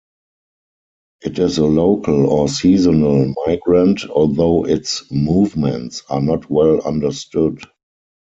It is a local or seasonal migrant, although its movements are not well understood.